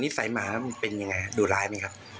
สัยหมามันเป็นยังไงดุร้ายไหมครับ